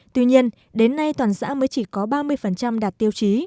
tuy nhiên đến nay toàn xã mới chỉ có ba mươi đạt tiêu chí